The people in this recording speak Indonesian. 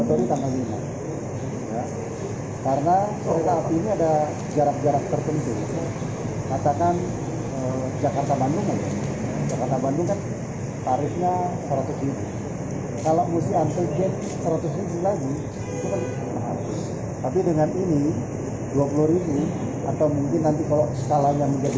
berita terkini mengenai penyelidikan yang telah dilakukan oleh menteri perhubungan budi karya sumadi